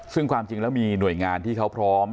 ซึ่งความจริงแล้วมีหน่วยงานที่เขาพร้อม